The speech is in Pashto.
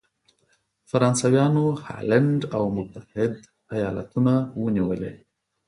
فرانسویانو هالنډ او متحد ایالتونه ونیولې.